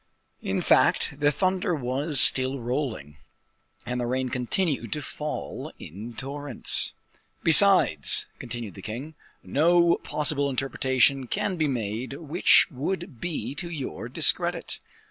In fact the thunder was still rolling, and the rain continued to fall in torrents. "Besides," continued the king, "no possible interpretation can be made which would be to your discredit.